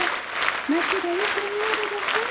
まちがよくみえるでしょ。